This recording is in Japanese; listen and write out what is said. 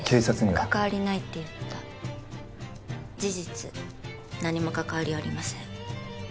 関わりないって言った事実何も関わりはありません